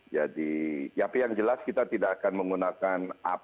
jadi tapi yang jelas kita tidak akan menggunakan apd